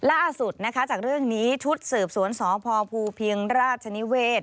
ล่าสุดนะคะจากเรื่องนี้ชุดสืบสวนสพภูเพียงราชนิเวศ